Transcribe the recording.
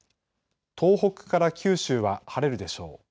東北から九州は晴れるでしょう。